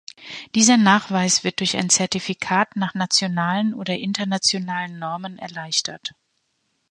Dieser Nachweis wird durch ein Zertifikat nach nationalen oder internationalen Normen erleichtert.